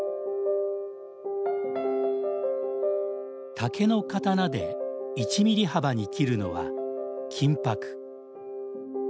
竹の刀で１ミリ幅に切るのは金ぱく。